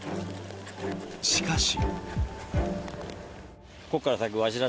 しかし。